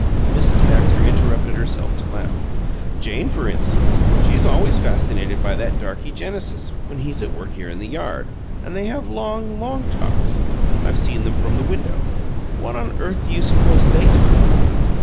Mrs. Baxter interrupted herself to laugh. "Jane, for instance she's always fascinated by that darky, Genesis, when he's at work here in the yard, and they have long, long talks; I've seen them from the window. What on earth do you suppose they talk about?